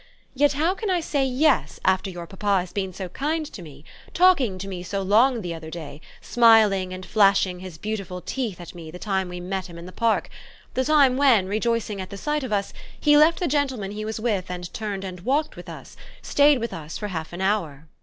Yet how can I say Yes after your papa has been so kind to me, talking to me so long the other day, smiling and flashing his beautiful teeth at me the time we met him in the Park, the time when, rejoicing at the sight of us, he left the gentlemen he was with and turned and walked with us, stayed with us for half an hour?"